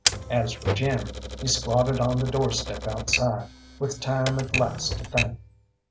As for Jim, he squatted on the doorstep outside, with time at last to think.